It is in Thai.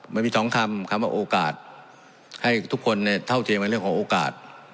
มันมีสองคำคำว่าโอกาสให้ทุกคนเนี่ยเท่าเทียมในเรื่องของโอกาส